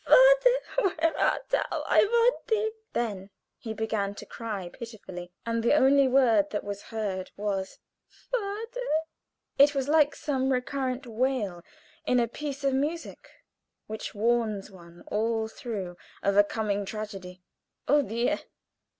father! where art thou? I want thee!" Then he began to cry pitifully, and the only word that was heard was "Father!" It was like some recurrent wail in a piece of music, which warns one all through of a coming tragedy. "Oh, dear!